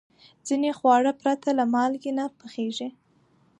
ځینې خواړه پرته له مالګې نه پخېږي.